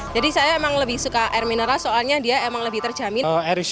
jadi saya memang lebih suka air mineral soalnya dia emang lebih terjamin